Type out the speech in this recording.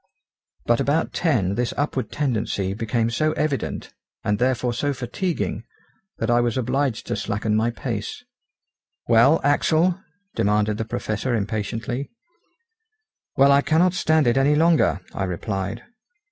But about ten this upward tendency became so evident, and therefore so fatiguing, that I was obliged to slacken my pace. "Well, Axel?" demanded the Professor impatiently. "Well, I cannot stand it any longer," I replied.